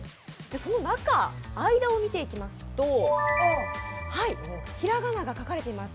その中、間を見ていきますとひらがなが書かれています。